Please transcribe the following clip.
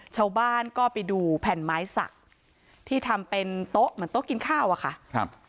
ชาวบ้านก็ไปดูแผ่นไม้สักที่ทำเป็นโต๊ะเหมือนโต๊ะกินข้าวอะค่ะครับ